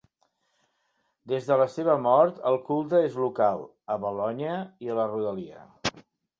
Des de la seva mort, el culte és local, a Bolonya i la rodalia.